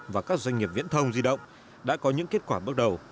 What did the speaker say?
và các doanh nghiệp viễn thông di động đã có những kết quả bước đầu